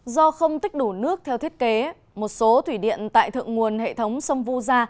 do không tích đủ nước theo thiết kế một số thủy điện tại thượng nguồn hệ thống sông vu gia